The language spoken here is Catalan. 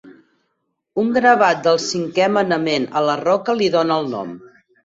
Un gravat del Cinquè Manament a la roca li dona nom.